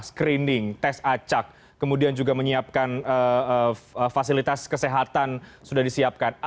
screening tes acak kemudian juga menyiapkan fasilitas kesehatan sudah disiapkan